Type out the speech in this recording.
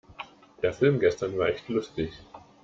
Der Film gestern war echt lustig.